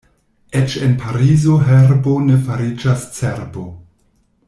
Eĉ en Parizo herbo ne fariĝas cerbo.